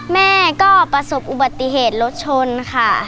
แม่ก็ประสบอุบัติเหตุรถชนค่ะ